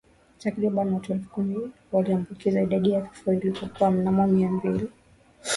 Takriban watu elfu kumi waliambukizwa idadi ya vifo ilikuwa mnamo mia mbili